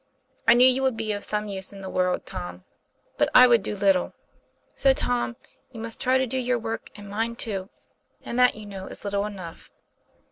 I knew you would be of some use in the world, Tom, but I would do little. So, Tom, you must try to do your work, and mine too; and that, you know, is little enough."